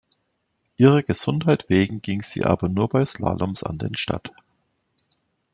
Ihrer Gesundheit wegen ging sie aber nur bei Slaloms an den Start.